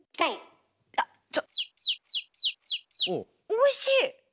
おいしい！